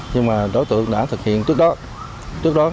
nhưng mà đối tượng đã thực hiện trước đó